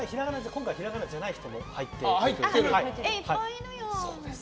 今回、ひらがなじゃない人も入っています。